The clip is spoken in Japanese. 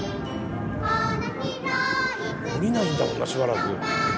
降りないんだもんなしばらく。